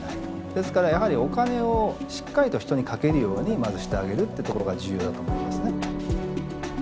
ですからやはりお金をしっかりと人にかけるようにまずしてあげるってところが重要だと思いますね。